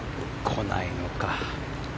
来ないのか。